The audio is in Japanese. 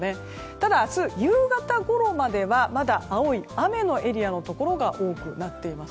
ただ明日夕方ごろまではまだ青い雨のエリアのところが多くなっています。